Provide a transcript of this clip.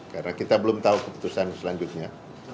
karena kita belum tahu keputusan selanjutnya